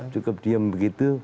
cukup diam begitu